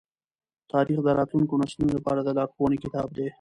تاریخ د راتلونکو نسلونو لپاره د لارښوونې کتاب دی.